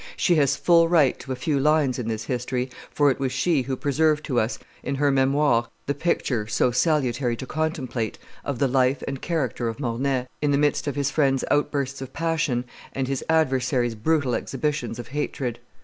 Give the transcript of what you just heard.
She has full right to a few lines in this History, for it was she who preserved to us, in her Memoires, the picture, so salutary to contemplate, of the life and character of Mornay, in the midst of his friends' outbursts of passion and his adversaries' brutal exhibitions of hatred.